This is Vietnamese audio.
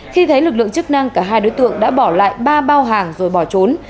khi thấy lực lượng chức năng cả hai đối tượng đã bỏ lại ba bao hàng rồi bỏ trốn